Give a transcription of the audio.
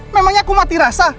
memangnya aku mati rasa